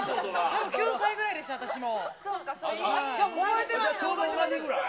９歳ぐらいでした、私も。